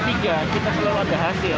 kita selalu ada hasil